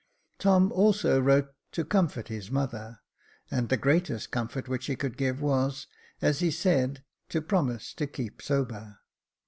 Tom also wrote to comfort his mother, and the greatest comfort which he could give was, as he said, to promise to keep sober.